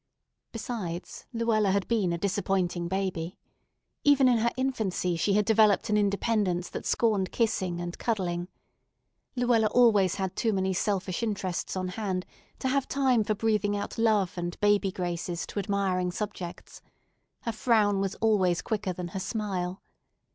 Besides, Luella had been a disappointing baby. Even in her infancy she had developed an independence that scorned kissing and cuddling. Luella always had too many selfish interests on hand to have time for breathing out love and baby graces to admiring subjects. Her frown was always quicker than her smile.